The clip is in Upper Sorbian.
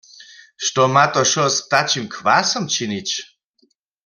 Što ma to wšo z ptačim kwasom činić?